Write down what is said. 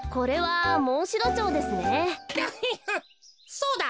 そうだ。